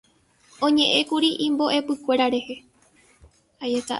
oñe'ẽkuri imbo'epykuéra rehe